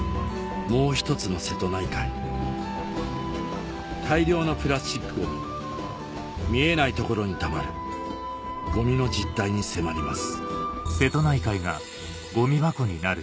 もう一つの瀬戸内海大量のプラスチックゴミ見えない所にたまるゴミの実態に迫ります